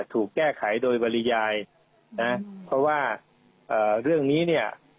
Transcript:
ถูกแก้ไขโดยบริยายนะเพราะว่าเอ่อเรื่องนี้เนี่ย